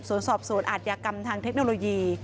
ส่วนสอบสวนอาทยากรรมทางเทคโนโลยี